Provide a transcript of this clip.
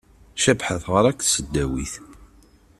Cabḥa teɣra deg tesdawit.